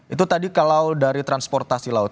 itu tadi kalau dari transportasi laut